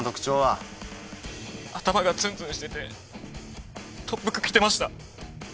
頭がツンツンしてて特服着てました。